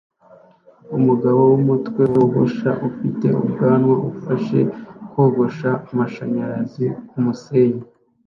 Umugabo wumutwe wogosha ufite ubwanwa ufashe kogosha amashanyarazi kumusenyi